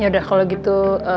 yaudah kalau gitu